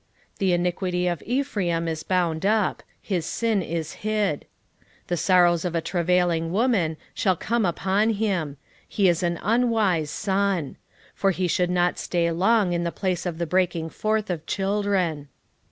13:12 The iniquity of Ephraim is bound up; his sin is hid. 13:13 The sorrows of a travailing woman shall come upon him: he is an unwise son; for he should not stay long in the place of the breaking forth of children.